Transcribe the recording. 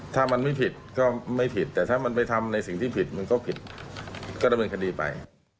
ถ้ามันไม่ผิดก็ไม่ผิดแต่ถ้ามันไปทำในสิ่งที่ผิดมันก็ผิดก็ดำเนินคดีไป